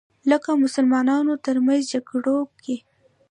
لکه مسلمانانو تر منځ جګړو کې